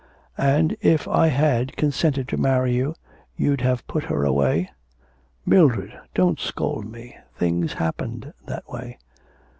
'And if I had consented to marry you, you'd have put her away.' 'Mildred, don't scold me. Things happened that way.'